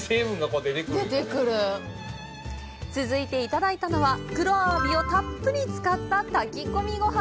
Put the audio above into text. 続いていただいたのは、黒アワビをたっぷり使った炊き込みご飯。